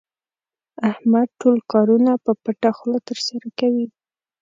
احمد ټول کارونه په پټه خوله ترسره کوي.